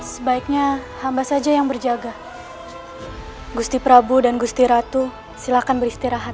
sebaiknya hamba saja yang berjaga gusti prabu dan gusti ratu silakan beristirahat